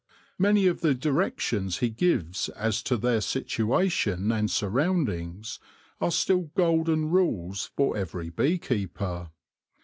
Many of the directions he gives as to their situation and surroundings are still golden rules for every bee keeper.